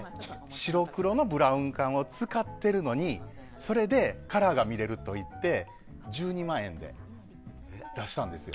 白黒のブラウン管を使ってるのにそれでカラーが見れるといって１２万円で出したんですよ。